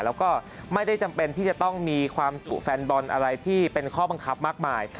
แล้วก็ไม่ได้จำเป็นที่จะต้องมีความจุแฟนบอลอะไรที่เป็นข้อบังคับมากมาย